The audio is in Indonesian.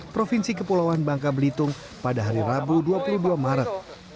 provinsi kepulauan bangka belitung pada hari rabu dua puluh dua maret